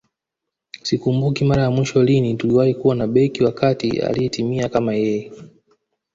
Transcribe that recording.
Sikumbuki mara ya mwisho lini tuliwahi kuwa na beki wa kati aliyetimia kama yeye